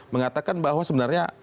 mengatakan bahwa sebenarnya